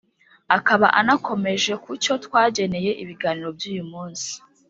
akaba anakomoje ku cyo twageneye ibiganiro by’uyu munsi.